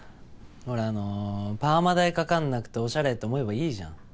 ほらあのパーマ代かかんなくておしゃれって思えばいいじゃん。